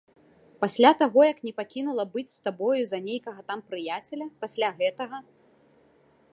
Пасля таго як не пакінула быць з табою за нейкага там прыяцеля, пасля гэтага?